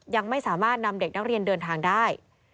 ยังไม่สามารถนำเด็กนักเรียนเดินทางได้